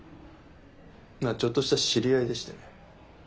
ちょっとした知り合いでしてね。